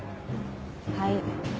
はい？